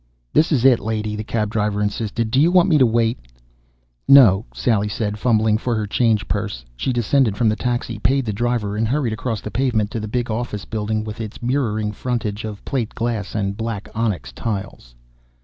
"This is it, lady!" the cab driver insisted. "Do you want me to wait?" "No," Sally said, fumbling for her change purse. She descended from the taxi, paid the driver and hurried across the pavement to the big office building with its mirroring frontage of plate glass and black onyx tiles.